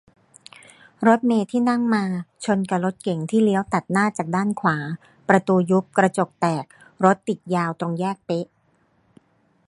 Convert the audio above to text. รถเมล์ที่นั่งมาชนกะรถเก๋งที่เลี้ยวตัดหน้าจากด้านขวา ประตูยุบ กระจกแตก รถติดยาว ตรงแยกเป๊ะ